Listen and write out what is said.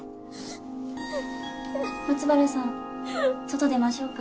松原さん外出ましょうか。